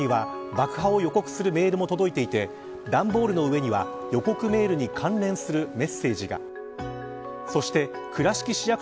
県庁には、爆破を予告するメールも届いていて段ボールの上には予告メールに関連するメッセージが。